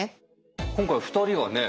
今回２人がね